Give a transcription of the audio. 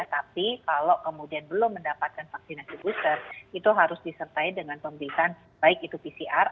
tapi kalau kemudian belum mendapatkan vaksinasi booster itu harus disertai dengan pemeriksaan baik itu pcr